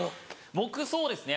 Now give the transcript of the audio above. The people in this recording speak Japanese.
僕そうですね